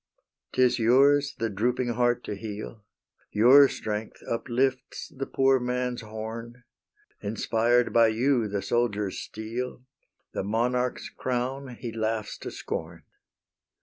'Tis yours the drooping heart to heal; Your strength uplifts the poor man's horn; Inspired by you, the soldier's steel, The monarch's crown, he laughs to scorn.